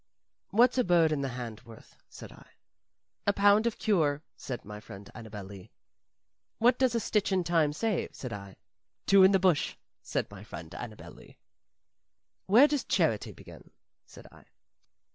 "What's a bird in the hand worth?" said I. "A pound of cure," said my friend Annabel Lee. "What does a stitch in time save?" said I. "Two in the bush," said my friend Annabel Lee. "Where does charity begin?" said I.